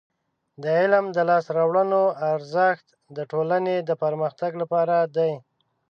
د علم د لاسته راوړنو ارزښت د ټولنې د پرمختګ لپاره دی.